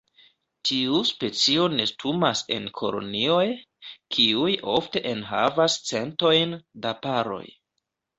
Tiu specio nestumas en kolonioj, kiuj ofte enhavas centojn da paroj.